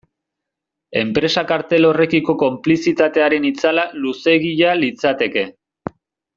Enpresa kartel horrekiko konplizitatearen itzala luzeegia litzateke.